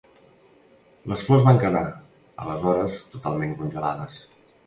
Les flors van quedar, aleshores, totalment congelades.